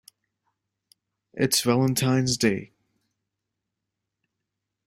It's Valentine's Day!